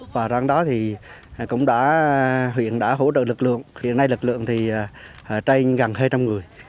hôm đó thì cũng đã huyện đã hỗ trợ lực lượng hiện nay lực lượng thì cháy gần hai trăm linh người